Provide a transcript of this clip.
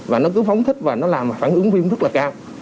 và nó cứ phóng thích và nó làm phản ứng viêm rất là cao